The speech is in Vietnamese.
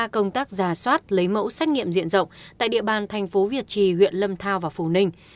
công tác giả soát lấy mẫu xét nghiệm diện rộng tại địa bàn thành phố việt trì huyện lâm thao và phù ninh